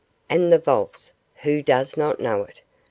And the valse who does not know it?